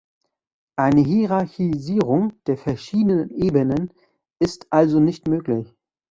Eine Hierarchisierung der verschiedenen Ebenen ist also nicht möglich.